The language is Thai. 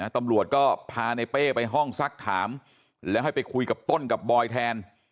ตำรวจก็พาในเป้ไปห้องซักถามแล้วให้ไปคุยกับต้นกับบอยแทน